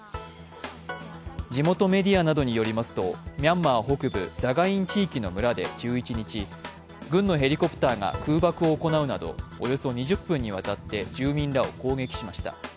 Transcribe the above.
地元メディアなどによりますとミャンマー北部ザガイン地域の村で１１日、軍のヘリコプターが空爆を行うなどおよそ２０分にわたって住民らを攻撃しました。